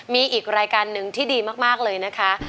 มีอีกรายการหนึ่งที่ดีมากเลยนะคะ